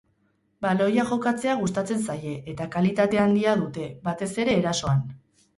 Baloia jokatzea gustatzen zaie eta kalitate handia dute, batez ere erasoan.